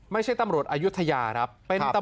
กี่นัดนับตอนนั้นดีไหม